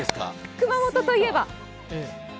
熊本といえば。